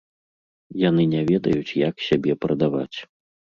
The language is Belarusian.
Яны не ведаюць, як сябе прадаваць.